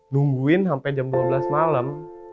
nungguin sampai jam dua belas malam